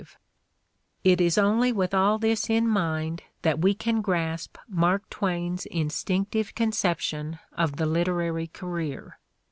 144 The Ordeal of Mark Twain It is only with all this in mind that we can grasp Mark Twain's instinctive conception of the literary career.